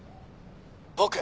僕。